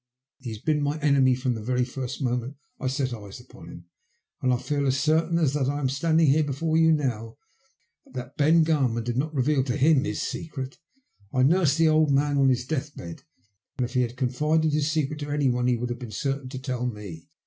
He has been my enemy from the very first moment I set eyes upon him, and I feel as certain as that I am standing before you now, that Ben Garman did not reveal to him his secret. I nursed the old man on his death bed, and if he had confided his secret to any one he would have been certain to tell me.